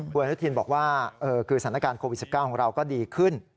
คุณอนุทินบอกว่าคือสถานการณ์โควิด๑๙ของเราก็ดีขึ้น